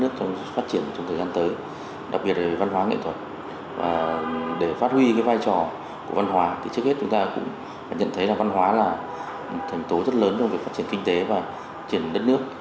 chúng ta cũng nhận thấy là văn hóa là thành tố rất lớn trong việc phát triển kinh tế và chuyển đất nước